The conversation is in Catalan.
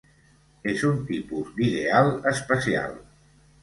És un tipus d'ideal especial.